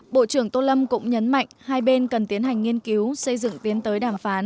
bộ trưởng tô lâm cũng nhấn mạnh hai bên cần tiến hành nghiên cứu xây dựng tiến tới đàm phán